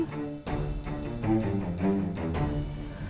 tapi gak kesampean